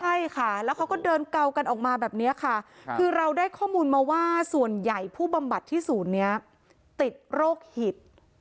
ใช่ค่ะแล้วเขาก็เดินเกากันออกมาแบบนี้ค่ะคือเราได้ข้อมูลมาว่าส่วนใหญ่ผู้บำบัดที่ศูนย์นี้ติดโรคหิต